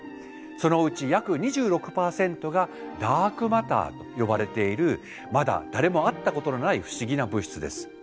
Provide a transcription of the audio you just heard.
そのうち約２６％がダークマターと呼ばれているまだ誰も会ったことのない不思議な物質です。